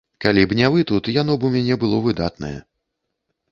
Калі б не вы тут, яно б у мяне было выдатнае.